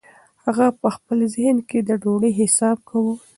هغه په خپل ذهن کې د ډوډۍ حساب کاوه.